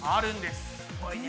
すごいね。